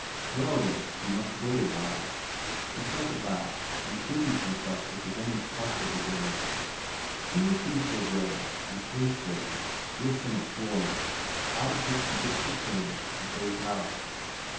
"Well then, you must wait a while," he says at last, and busies himself with the woman's parcels again. She receives her wares and pays for them gives him a florin, out of which she gets the change, and goes out.